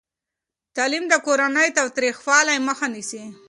تعلیم د کورني تاوتریخوالي مخه نیسي.